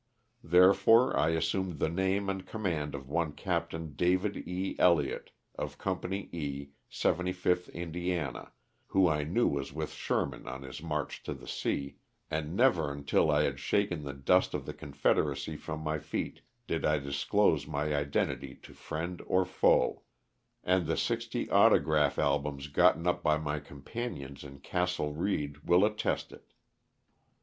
Therefore I assumed the name and com mand of one Capt. David E. Elliott, of Company E, 75th Indiana, who I knew was with Sherman on his march to the sea, and never until I had shaken the dust of the confederacy from my feet did I disclose my identity to friend or foe — and the sixty autograph albums gotten up by my companions in Castle Reed will attest it.